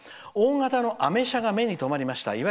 大型のアメ車が目に留まりました。